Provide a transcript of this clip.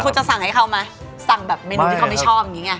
คุณจะสั่งให้เขาไหมสั่งแบบเมนูที่เขาไม่ชอบอย่างนี้ไง